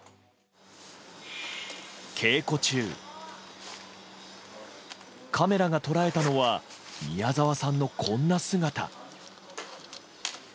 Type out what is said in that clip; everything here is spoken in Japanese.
稽古中、カメラが捉えたのは宮沢さんのこんな姿。